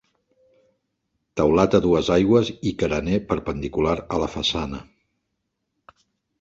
Teulat a dues aigües i carener perpendicular a la façana.